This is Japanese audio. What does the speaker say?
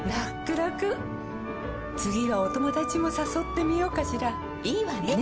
らくらくはお友達もさそってみようかしらいいわね！